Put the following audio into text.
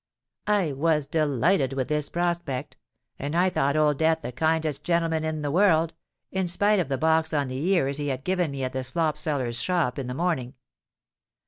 '—I was delighted with this prospect; and I thought Old Death the kindest gentleman in the world, in spite of the box on the ears he had given me at the slopseller's shop in the morning.